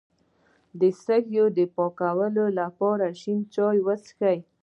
د سږو د پاکوالي لپاره شین چای وڅښئ